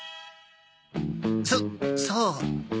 そそう。